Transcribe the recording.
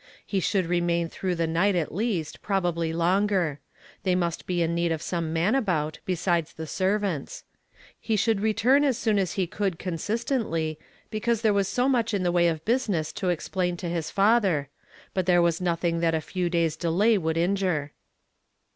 He should remain through the night at least, prob ably longer; they must be in need of some man about, besides the servants. He should return a^ soon as he could consistently, because there was so nuich in the way of business to explain to his father; ])ut there was nothing that a few days' delay would injure.